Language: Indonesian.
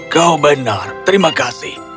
kau benar terima kasih